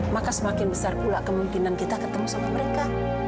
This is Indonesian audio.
maka semakin besar pula kemungkinan kita ketemu sama mereka